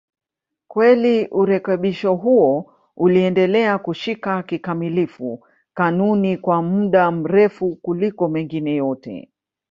Kweli urekebisho huo uliendelea kushika kikamilifu kanuni kwa muda mrefu kuliko mengine yote.